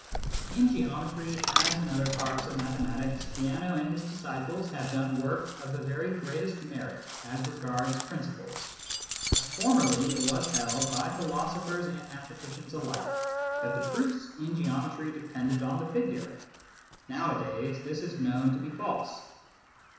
In Geometry, as in other parts of mathematics, Peano and his disciples have done work of the very greatest merit as regards principles. Formerly, it was held by philosophers and mathematicians alike that the proofs in Geometry depended on the figure ; nowadays, this is known to be false.